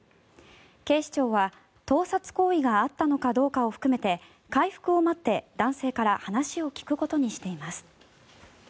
警視庁は盗撮行為があったのかどうかを含めて回復を待って、男性から話を聞くことにしています。